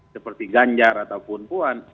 seperti ganjar ataupun puan